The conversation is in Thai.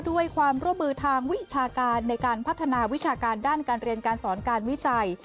ด้วยความร่วมมือทางวิชาการในการพัฒนาวิชาการด้านการเรียนการสอนการวิจัย